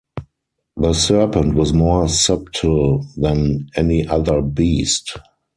The serpent was more subtle than any other beast